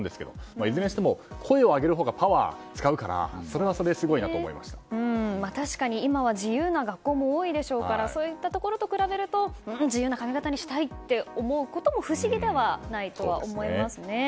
いずれにしても声を上げるほうがパワーを使うからそれは今は自由な学校も多いでしょうからそういったところと比べると自由な髪形にしたいって思うことも不思議ではないとは思いますね。